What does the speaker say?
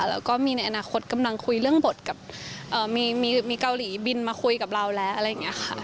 แล้วก็มีในอนาคตกำลังคุยเรื่องบทกับมีเกาหลีบินมาคุยกับเราแล้วอะไรอย่างนี้ค่ะ